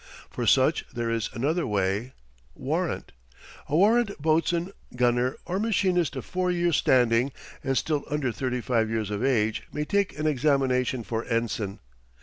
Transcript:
For such there is another way warrant. A warrant boatswain, gunner, or machinist of four years' standing and still under thirty five years of age may take an examination for ensign.